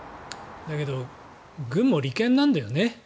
だけど軍も利権なんだよね。